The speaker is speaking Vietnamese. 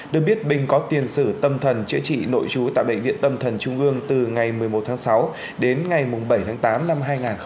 được biết bình có tiền sử tâm thần chữa trị nội trú tại bệnh viện tâm thần trung ương từ ngày một mươi một tháng sáu đến ngày bảy tháng tám năm hai nghìn hai mươi ba